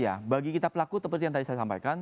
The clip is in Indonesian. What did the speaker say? ya bagi kita pelaku seperti yang tadi saya sampaikan